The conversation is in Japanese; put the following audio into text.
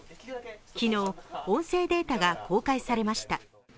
昨日、音声データが公開されました